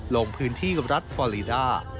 ลงพื้นที่รัฐฟอรีดา